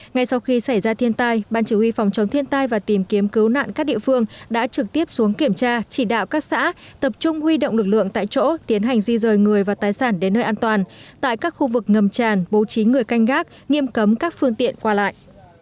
ngay sau khi xảy ra thiên tai ban chỉ huy phòng chống thiên tai và tìm kiếm cứu nạn các địa phương đã trực tiếp xuống kiểm tra chỉ đạo các xã tập trung huy động lực lượng tại chỗ tiến hành di rời người và tài sản đến nơi an toàn tại các khu vực ngầm tràn bố trí người canh gác nghiêm cấm các phương tiện qua lại